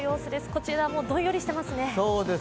こちらもどんよりしてますね。